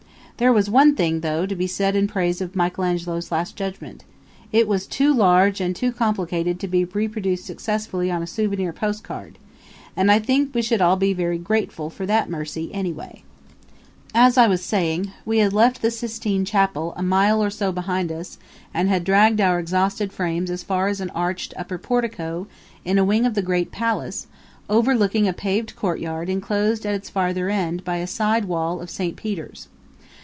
There was one thing, though, to be said in praise of Michelangelo's Last Judgment; it was too large and too complicated to be reproduced successfully on a souvenir postal card; and I think we should all be very grateful for that mercy anyway. As I was saying, we had left the Sistine Chapel a mile or so behind us and had dragged our exhausted frames as far as an arched upper portico in a wing of the great palace, overlooking a paved courtyard inclosed at its farther end by a side wall of Saint Peter's.